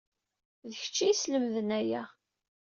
D kecc ay iyi-yeslemden aya.